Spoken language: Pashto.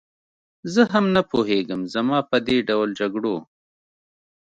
زه هم نه پوهېږم، زما په دې ډول جګړو.